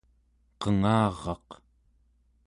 qengaraq